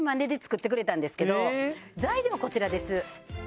材料こちらです。